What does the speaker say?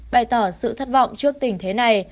bày tỏ sự thất vọng trước tình thế này